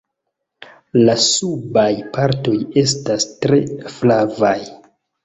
La subaj partoj estas tre flavaj.